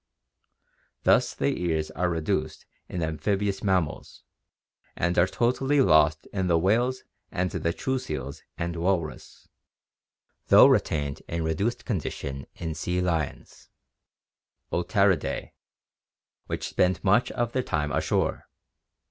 Thus the ears are reduced in amphibious mammals, and are totally lost in the whales and true seals and walrus, though retained in reduced condition in the sea lions (Otariidae) which spend much of their time ashore.